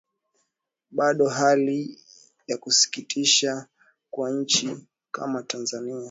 Bado hali ni ya kusikitisha kwa nchi kama Tanzania